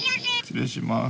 失礼します。